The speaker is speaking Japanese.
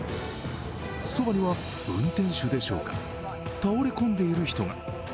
そばには運転手でしょうか、倒れ込んでいる人が。